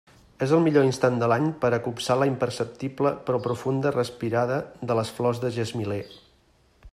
És el millor instant de l'any per a copsar la imperceptible però profunda respirada de les flors de gesmiler.